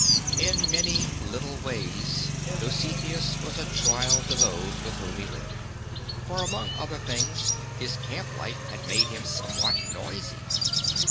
In many little ways Dositheus was a trial to those with whom he lived, for among other things his camp life had made him somewhat noisy.